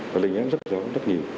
đã lây nhắn rất nhiều